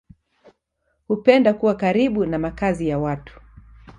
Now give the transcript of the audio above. Hupenda kuwa karibu na makazi ya watu.